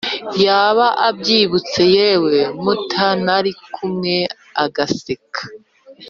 yaba atwibutse yewe mutanari kumwe agaseka.